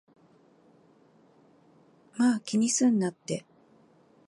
まぁ、気にすんなって